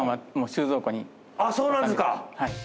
そうなんですか。